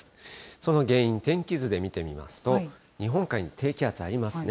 その原因、天気図で見てみますと、日本海に低気圧ありますね。